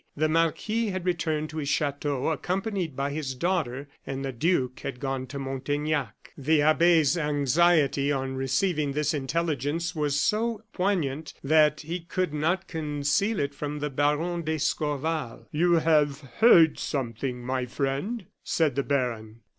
The marquis had returned to his chateau, accompanied by his daughter, and the duke had gone to Montaignac. The abbe's anxiety on receiving this intelligence was so poignant that he could not conceal it from Baron d'Escorval. "You have heard something, my friend," said the baron.